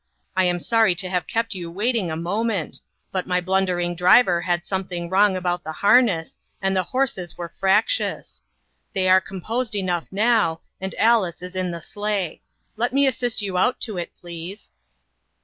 I am sorry to have kept you waiting a moment ; but my blundering driver had something wrong about the harness, and the horses were fractious. They are com posed enough now, and Alice is in the sleigh. Let me assist you out to it, please."